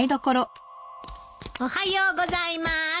おはようございまーす。